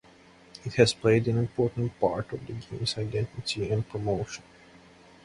It has played an important part on the Games identity and promotion.